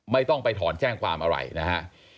ไม่ต้องไปถอนแจ้งความอะไรนะฮะ